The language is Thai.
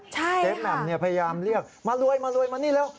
เจ๊แหม่มพยายามเรียกมารวยมานี่เร็ว